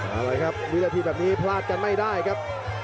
เอาละครับวินาทีแบบนี้พลาดกันไม่ได้ครับ